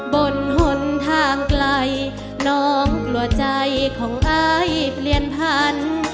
บนหนทางไกลน้องกลัวใจของอายเปลี่ยนพันธุ์